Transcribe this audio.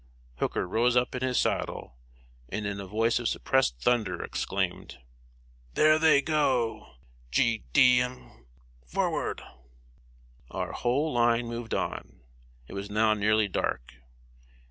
Hooker rose up in his saddle, and, in a voice of suppressed thunder, exclaimed: "There they go, G d d n them! Forward!" Our whole line moved on. It was now nearly dark.